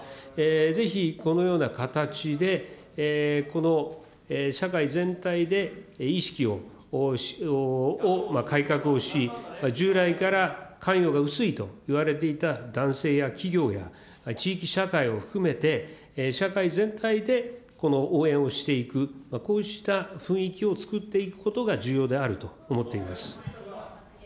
ぜひこのような形で、この社会全体で意識を改革をし、従来から関与が薄いといわれていた男性や企業や地域社会を含めて、社会全体でこの応援をしていく、こうした雰囲気を作っていくことが重要であると思っております。